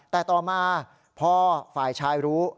แต่ต่อมาพอฝ่ายชายรู้